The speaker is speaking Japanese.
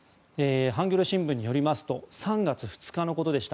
ハンギョレ新聞によりますと３月５日のことでした。